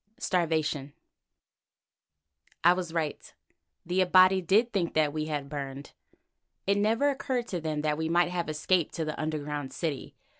STARVATION I was right. The Abati did think that we had been burned. It never occurred to them that we might have escaped to the underground city.